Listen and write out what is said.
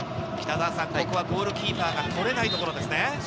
ここはゴールキーパーが取れないところですね。